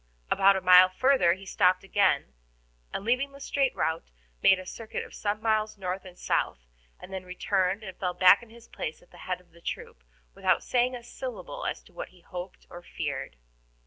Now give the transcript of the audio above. About a mile further he stopped again, and leaving the straight route, made a circuit of some miles north and south, and then returned and fell back in his place at the head of the troop, without saying a syllable as to what he hoped or feared.